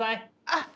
あっ！